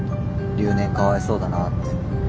留年かわいそうだなって。